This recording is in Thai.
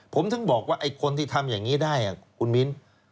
ผมถึงบอกว่าไอ้คนที่ทำอย่างนี้ได้คุณมิ้น